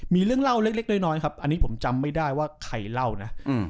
มีเรื่องเล่าเล็กน้อยครับอันนี้ผมจำไม่ได้ว่าใครเล่านะ